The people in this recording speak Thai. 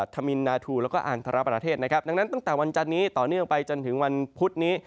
ทำินนาทูลและก็อ่านทรประเทศในแบบนั้นตั้งแต่วาลจานี้ต่อเนื่องไปจนถึงวันพุทธนี้